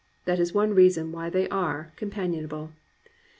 That is one reason why they are companionable.